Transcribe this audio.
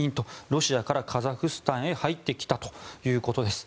ロシアからカザフスタンへ入ってきたということです。